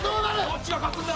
どっちが勝つんだ？